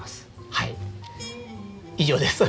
はい以上です。